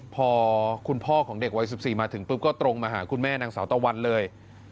พอคุณพ่อของเด็กวัย๑๔มาถึงปุ๊บก็ตรงมาหาคุณแม่นางสาวตะวันเลย